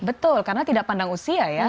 betul karena tidak pandang usia ya